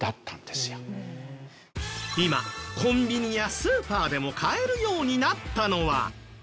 今コンビニやスーパーでも買えるようになったのは。